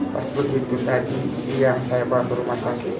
pas begitu tadi siang saya bawa ke rumah sakit